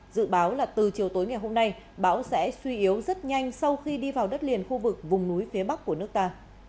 dự báo là từ chiều tối ngày hôm nay bão sẽ suy yếu rất nhanh sau khi đi vào đất liền khu vực vùng núi phía bắc của nước ta